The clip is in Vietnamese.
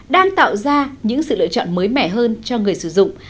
đang tạo ra những sự lựa chọn mới mẻ hơn cho người sử dụng